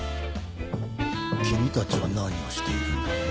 君たちは何をしているんだね？